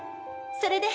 それで。